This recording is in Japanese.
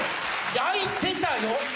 空いてたよ？